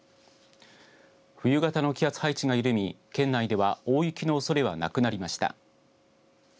冬型の気圧配置が緩み県内では、大雪のおそれはなくなりました。